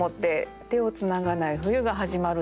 「手をつながない冬がはじまる」って。